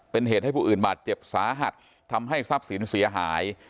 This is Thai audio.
เป็นเหตุให้ผู้อื่นบาดเจ็บสาหัสทำให้ทรัพย์สินเสียหาย